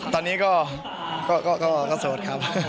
ตอนนี้ก็โสดครับ